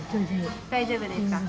大丈夫ですか？